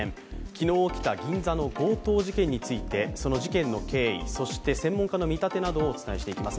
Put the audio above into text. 昨日起きた銀座の強盗事件について、その事件の経緯、そして専門家の見立てなどをお伝えしていきます。